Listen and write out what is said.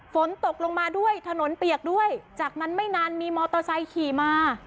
ฝนตกลงมาด้วยถนนเปียกด้วยจากนั้นไม่นานมีมอเตอร์ไซค์ขี่มา